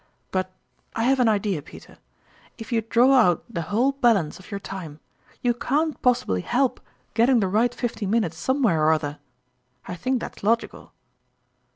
But I have an idea, Peter if you draw out the whole balance of your time, you can't possibly help getting the right fifteen minutes somewhere or other. I think that's logical